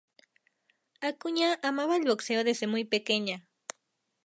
Acuña amaba el boxeo desde muy pequeña.